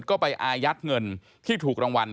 ก็ไปอายัดเงินที่ถูกรางวัล